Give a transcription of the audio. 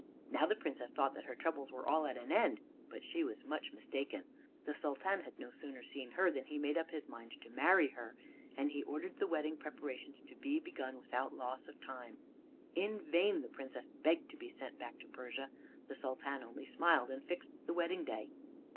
Now the Princess thought that her troubles were all at an end, but she was much mistaken. The Sultan had no sooner seen her than he made up his mind to marry her, and he ordered the wedding preparations to be begun without loss of time. In vain the Princess begged to be sent back to Persia. The Sultan only smiled and fixed the wedding day.